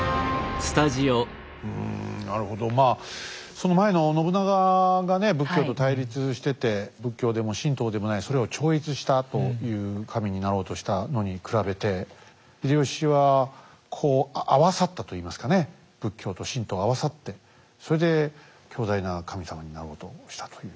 うんなるほどまあその前の信長がね仏教と対立してて仏教でも神道でもないそれを超越したという神になろうとしたのに比べて秀吉はこう合わさったといいますかね仏教と神道合わさってそれで強大な神様になろうとしたという。